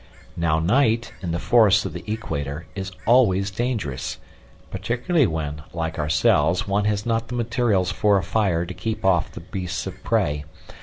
Now night, in the forests of the equator, is always dangerous, particularly when, like ourselves, one has not the materials for a fire to keep off the beasts of prey.